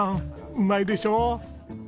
うまいでしょう？